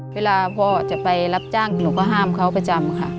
พ่อจะไปรับจ้างหนูก็ห้ามเขาประจำค่ะ